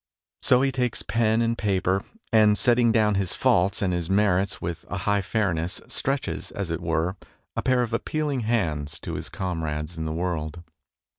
So he takes pen and paper, and, setting down his faults and his merits with a high fairness, stretches, as it were, a pair of appealing hands to his com rades in the world.